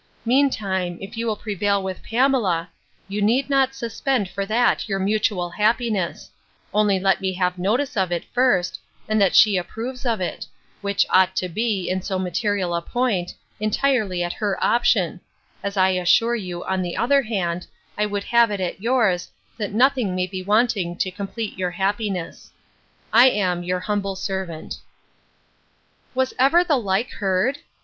Mean time, if you can prevail with Pamela, you need not suspend for that your mutual happiness; only let me have notice of it first, and that she approves of it; which ought to be, in so material a point, entirely at her option; as I assure you, on the other hand, I would have it at yours, that nothing may be wanting to complete your happiness. 'I am your humble servant.' Was ever the like heard?